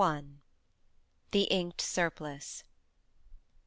THE INKED SURPLICE.